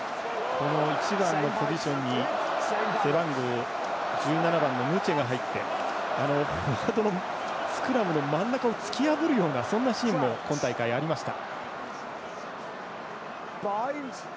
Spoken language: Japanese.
１番のポジションに背番号１７番のヌチェが入ってスクラムの真ん中を突き破るようなシーンも今大会、ありました。